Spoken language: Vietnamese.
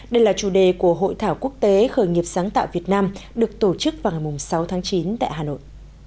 đây là chủ đề của hội thảo quốc tế khởi nghiệp sáng tạo việt nam được tổ chức vào ngày sáu tháng chín tại hà nội